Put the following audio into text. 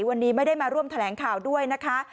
วันนี้ไม่ได้มาร่วมแถลงข่าวด้วยนะคะ